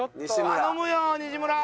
頼むよ西村！